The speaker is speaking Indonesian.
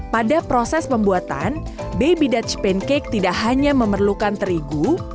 pada proses pembuatan baby dutch pancake tidak hanya memerlukan terigu